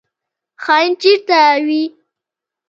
خاین چیرته وي؟